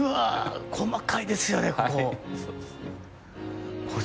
細かいですよね、ここ。